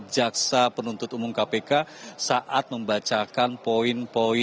jaksa penuntut umum kpk saat membacakan poin poin